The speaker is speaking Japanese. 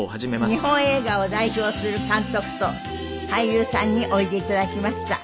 日本映画を代表する監督と俳優さんにおいでいただきました。